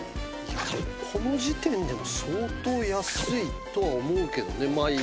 この時点でも相当安いとは思うけどねマイヤーのものが。